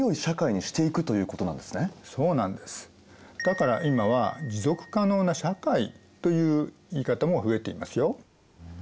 だから今は持続可能な社会という言い方も増えていますよ。